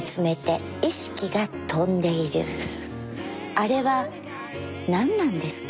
あれは何なんですか？